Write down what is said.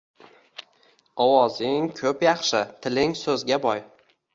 Ovozing ko‘p yaxshi, tiling so‘zga boy